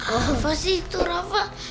apa sih itu rafa